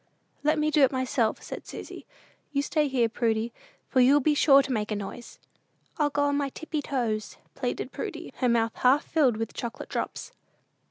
"Let me do it myself," said Susy: "you stay here, Prudy, for you'll be sure to make a noise." "I'll go on my tippy toes," pleaded Prudy, her mouth half filled with chocolate drops.